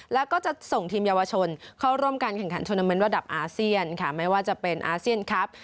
แล้วก็จะส่งทีมเยาวชนเข้าร่วมการแข่งขันโทรนาเมนต์ระดับอาเซียนค่ะไม่ว่าจะเป็นอาเซียนครับ